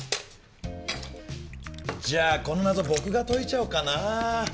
じゃあこの謎僕が解いちゃおうかな。